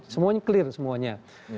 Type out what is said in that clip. semuanya clear semuanya